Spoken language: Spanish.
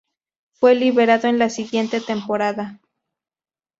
Fue liberado en la siguiente temporada.